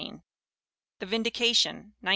The Vindication, 1917.